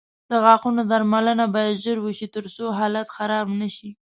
د غاښونو درملنه باید ژر وشي، ترڅو حالت خراب نه شي.